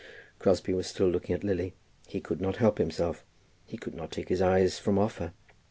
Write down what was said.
Crosbie was still looking at Lily. He could not help himself. He could not take his eyes from off her.